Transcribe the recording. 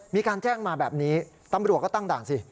มีการแจ้งมาแบบนี้ตำรวจก็ตั้งด่านสิ